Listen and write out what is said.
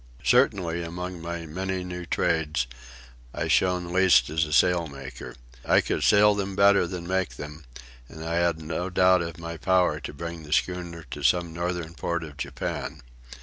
Certainly, among my many new trades, I shone least as a sail maker. I could sail them better than make them, and I had no doubt of my power to bring the schooner to some northern port of Japan.